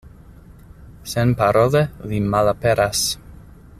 Senparole li malaperas.